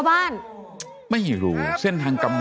แฮปปี้เบิร์สเจทู